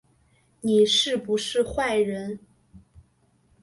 你是不是坏人